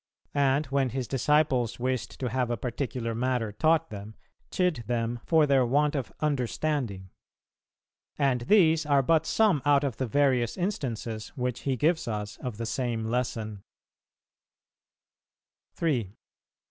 and, when His disciples wished to have a particular matter taught them, chid them for their want of "understanding." And these are but some out of the various instances which He gives us of the same lesson.